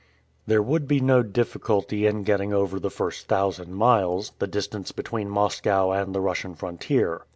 There would be no difficulty in getting over the first thousand miles, the distance between Moscow and the Russian frontier.